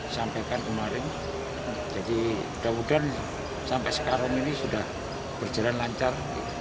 sampaikan kemarin jadi mudah mudahan sampai sekarang ini sudah berjalan lancar